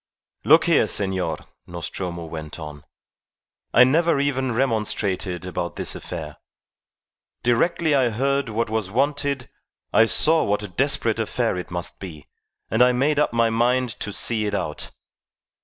"Look here, senor," Nostromo went on. "I never even remonstrated about this affair. Directly I heard what was wanted I saw what a desperate affair it must be, and I made up my mind to see it out.